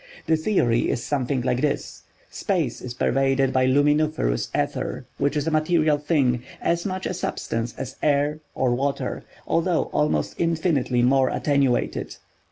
The theory is something like this: Space is pervaded by luminiferous ether, which is a material thing—as much a substance as air or water, though almost infinitely more attenuated.